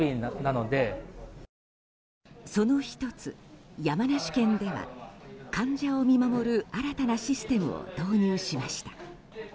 その１つ、山梨県では患者を見守る新たなシステムを導入しました。